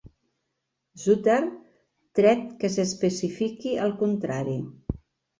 Souther, tret que s'especifiqui el contrari.